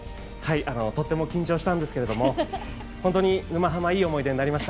とっても緊張したんですけれども本当に「沼ハマ」いい思い出になりました。